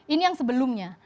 ini yang sebelumnya